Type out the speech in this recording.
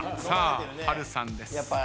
さあ波瑠さんです。